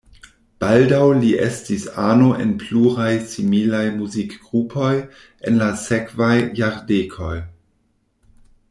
Baldaŭ li estis ano en pluraj similaj muzikgrupoj en la sekvaj jardekoj.